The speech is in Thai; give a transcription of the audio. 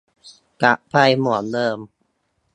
กลับไปเหมือนเดิม